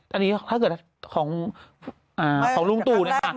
อันนี้ถ้าเกิดของลุงตู่นะคะ